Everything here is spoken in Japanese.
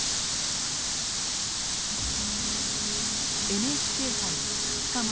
ＮＨＫ杯２日前。